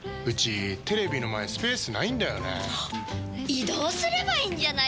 移動すればいいんじゃないですか？